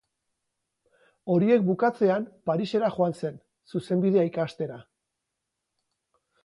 Horiek bukatzean Parisera joan zen, Zuzenbidea ikastera.